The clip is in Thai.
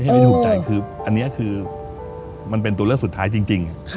อันนี้มันเป็นตัวเลือกสุดท้ายจริง